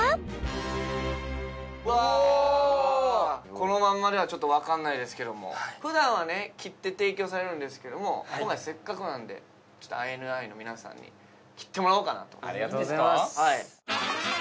このまんまではちょっと分かんないですけども普段はね切って提供されるんですけども今回せっかくなんでＩＮＩの皆さんに切ってもらおうかなとありがとうございます